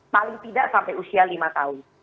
paling tidak sampai usia lima tahun